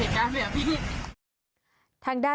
ต้องการตามคุณคราว